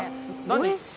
おいしい。